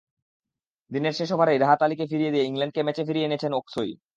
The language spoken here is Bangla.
দিনের শেষ ওভারেই রাহাত আলীকে ফিরিয়ে দিয়ে ইংল্যান্ডকে ম্যাচে ফিরিয়ে এনেছেন ওকসই।